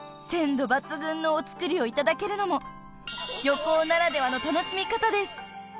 ［鮮度抜群のお造りをいただけるのも漁港ならではの楽しみ方です］